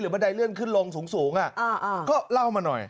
บันไดเลื่อนขึ้นลงสูงก็เล่ามาหน่อย